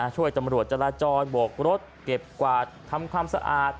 ช่วยตำรวจจราจรโบกรถเก็บกวาดทำความสะอาด